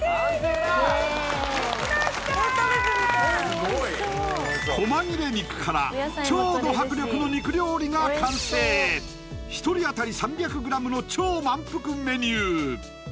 スゴい小間切れ肉から超ド迫力の肉料理が完成１人あたり３００ｇの超満腹メニュー